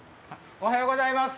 おはようございます。